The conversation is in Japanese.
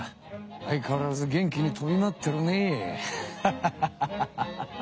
相変わらず元気に飛び回ってるねハハハハハ。